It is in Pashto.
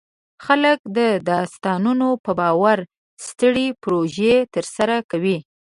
خلک د داستانونو په باور سترې پروژې ترسره کوي.